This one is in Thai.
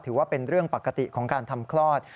ถือว่าเป็นเรื่องปกติของการทำคลอด